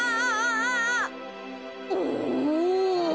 お。